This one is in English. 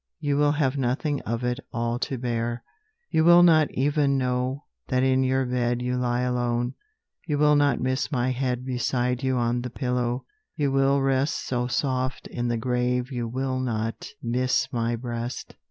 You will have nothing of it all to bear: You will not even know that in your bed You lie alone. You will not miss my head Beside you on the pillow: you will rest So soft in the grave you will not miss my breast.